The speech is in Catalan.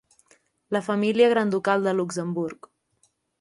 La família granducal de Luxemburg.